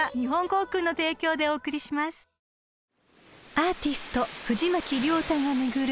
［アーティスト藤巻亮太が巡る